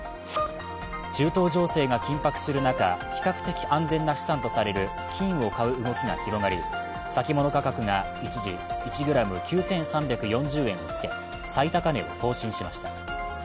中東情勢が緊迫する中、比較的安全な資産とされる金を買う動きが広がり、先物価格が一時１ｇ９３４０円をつけ、最高値を更新しました。